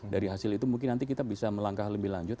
dari hasil itu mungkin nanti kita bisa melangkah lebih lanjut